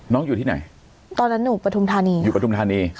อยู่ที่ไหนตอนนั้นหนูปฐุมธานีอยู่ปฐุมธานี